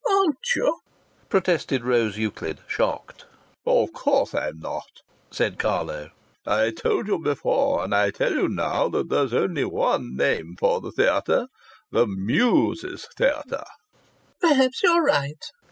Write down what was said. "Aren't you?" protested Rose Euclid, shocked. "Of course I'm not," said Carlo. "I told you before, and I tell you now, that there's only one name for the theatre 'The Muses' Theatre!'" "Perhaps you're right!"